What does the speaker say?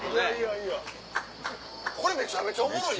これめちゃめちゃおもろい。